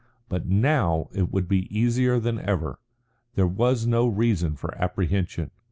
But now it would be easier than ever. There was no reason for apprehension.